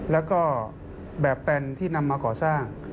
แล้วก็แบบแปนที่นำมาก่อสร้าง